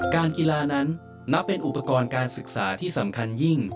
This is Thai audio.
การกีฬานั้นนับเป็นอุปกรณ์การศึกษาที่สำคัญยิ่ง